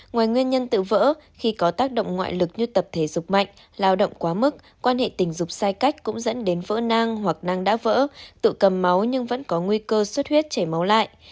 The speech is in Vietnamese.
ngoài nguyên nhân tự vỡ khi có tác động ngoại lực như tập thể dục mạnh lao động quá mức quan hệ tình dục sai cách cũng dẫn đến vỡ nang hoặc năng đã vỡ tự cầm máu nhưng vẫn có nguy cơ xuất huyết chảy máu lại